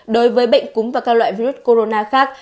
đối với bệnh cúng và các loại virus corona khác